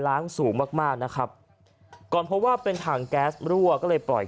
ล้างสูงมากมากนะครับก่อนพบว่าเป็นถังแก๊สรั่วก็เลยปล่อย